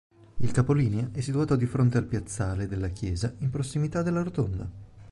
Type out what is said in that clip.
Il capolinea è situato di fronte al piazzale della chiesa in prossimità della rotonda.